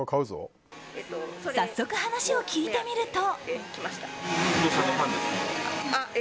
早速、話を聞いてみると。